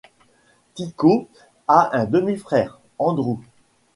Tico a un demi-frère, Andrew.